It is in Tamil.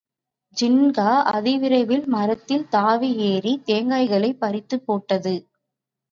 ஜின்கா அதிவிரைவில் மரத்தில் தாவியேறித் தேங்காய்களைப் பறித்துப் போட்டது.